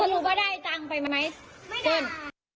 แล้วคุณเกิดบอกอาจได้เข้ายขยาย